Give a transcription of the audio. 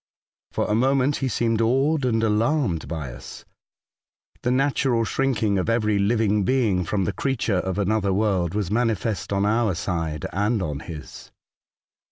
For a moment he seemed awed and alarmed by us — the natural shrinking of every living being from the creature of another world was manifest on our side and on his.